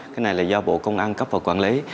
cái này là do bộ công an cấp và quản lý